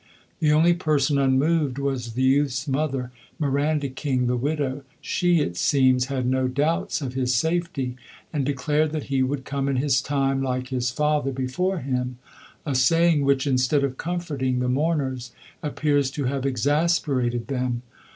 The only person unmoved was the youth's mother, Miranda King the widow. She, it seems, had no doubts of his safety, and declared that he "would come in his time, like his father before him" a saying which, instead of comforting the mourners, appears to have exasperated them.